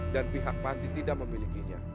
dan pihak panti tidak memilikinya